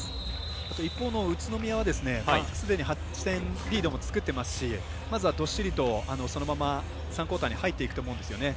あと一方の宇都宮はすでに８点リードもつけてますし、まずはどっしりとそのまま３クオーターに入っていくと思うんですよね。